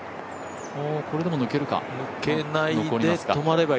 これでも抜けるか。